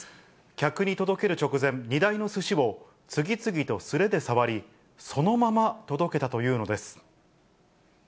客に届ける直前、荷台のすしを次々と素手で触り、そのまま届けたというのです。